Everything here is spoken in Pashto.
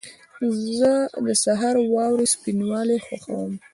زه د سهار واورې سپینوالی خوښوم.